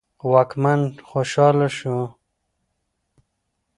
واکمن خوشاله شو.